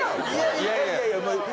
いやいやいや。